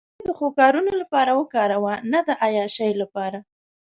پېسې د ښو کارونو لپاره وکاروه، نه د عیاشۍ لپاره.